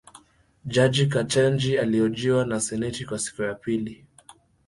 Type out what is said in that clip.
Jaji Ketanji ahojiwa na seneti kwa siku ya pili.